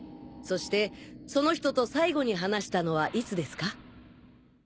そしてその人と最後に話したのはいつですか？